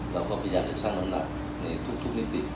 เราก็พยายามจะชั่งน้ำหนักในทุกมิติ